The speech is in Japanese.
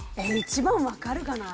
１番わかるかな？